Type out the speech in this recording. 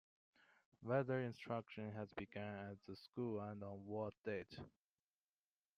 Whether instruction has begun at the school, and on what date.